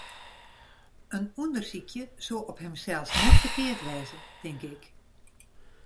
In ûndersykje soe op himsels net ferkeard wêze, tink ik.